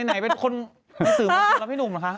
ไหนเป็นคนรับให้นุ่มเหรอคะ